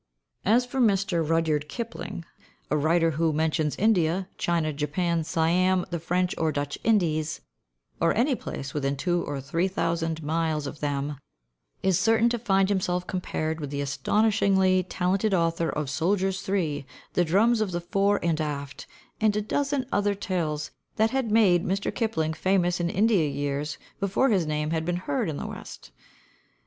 As for Mr. Rudyard Kipling, a writer who mentions India, China, Japan, Siam, the French or Dutch Indies, or any place within two or three thousand miles of them, is certain to find himself compared with the astonishingly talented author of "Soldiers Three," "The Drums of the Fore and Aft," and a dozen other tales that had made Mr. Kipling famous in India years before his name had been heard in the West.